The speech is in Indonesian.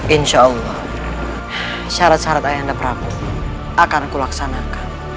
insya allah syarat syarat ayah anda pramu akan kulaksanakan